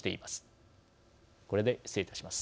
これで失礼いたします。